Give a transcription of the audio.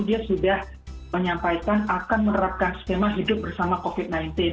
dia sudah menyampaikan akan menerapkan skema hidup bersama covid sembilan belas